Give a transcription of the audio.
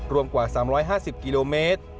รวมกว่า๓๕๐กิโลเมตร